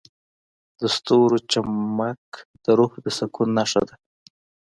د ستورو چمک د روح د سکون نښه ده.